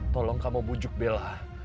tolong kamu bujuk bella